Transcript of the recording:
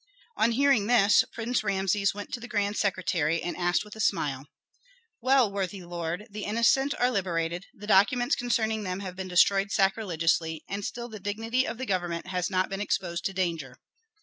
On hearing this, Prince Rameses went to the grand secretary and asked with a smile, "Well, worthy lord, the innocent are liberated, the documents concerning them have been destroyed sacrilegiously, and still the dignity of the government has not been exposed to danger."